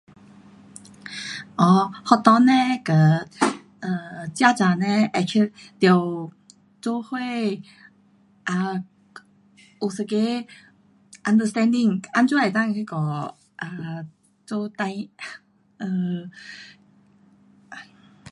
[un] 学校 um[ 家长 actually] 有一个 [understanding] 为什么 [unintelligible]